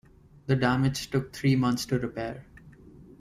The damage took three months to repair.